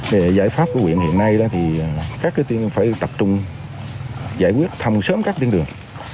về giải pháp của huyện hiện nay thì các tiên phải tập trung giải quyết thông sớm các tiên đường